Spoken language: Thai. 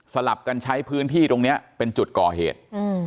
ลับกันใช้พื้นที่ตรงนี้เป็นจุดก่อเหตุ